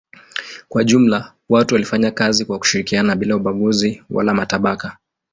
Kwa jumla watu walifanya kazi kwa kushirikiana bila ubaguzi wala matabaka.